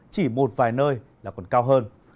chỉ một vài nơi là còn cao hơn